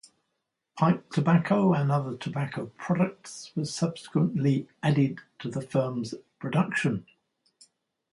Pipe tobacco and other tobacco products were subsequently added to the firm's production.